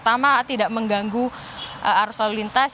pertama tidak mengganggu arus lalu lintas